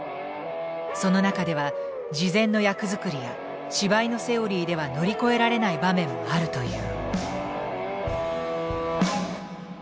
その中では事前の役作りや芝居のセオリーでは乗り越えられない場面もあるという。